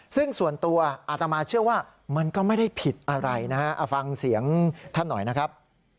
ซึ่งส่วนตัวอาตมาเชื่อว่ามันก็ไม่ได้ผิดอะไรนะฮะเอาฟังเสียงท่านหน่อยนะครับ